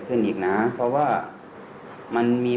แต่ไม่มีเหตุการณ์แบบนี้